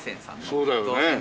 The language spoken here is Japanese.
そうだよね。